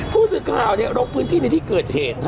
ภูติการเรียนลมพื้นที่ในที่เกิดเหตุ